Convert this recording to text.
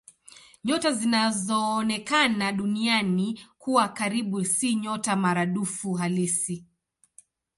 Nyota zinazoonekana Duniani kuwa karibu si nyota maradufu halisi.